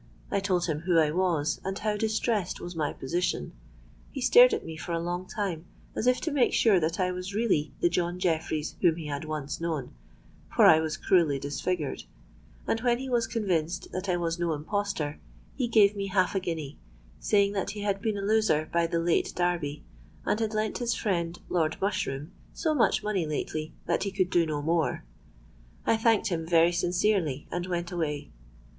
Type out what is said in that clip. I told him who I was, and how distressed was my position. He stared at me for a long time, as if to make sure that I was really the John Jeffreys whom he had once known—for I was cruelly disfigured; and when he was convinced that I was no impostor, he gave me half a guinea, saying that he had been a looser by the late Derby, and had lent his friend Lord Mushroom so much money lately, that he could do no more. I thanked him very sincerely and went away.